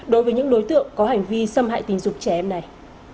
đối với những đối tượng có hành vi xâm hại tình dục trẻ em này